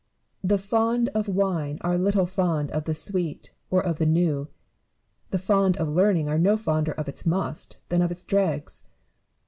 The fond of wine are little fond of the sweet or of the new : the fond of learning are no fonder of its must than of its dregs.